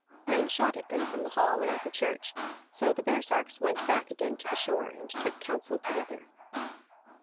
Men shot at them from the hall and the church; so the baresarks went back again to the shore, and took counsel together.